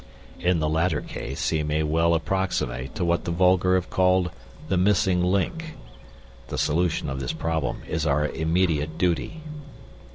In the latter case, he may well approximate to what the vulgar have called the 'missing link.' The solution of this problem is our immediate duty."